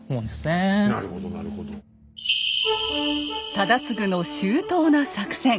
忠次の周到な作戦。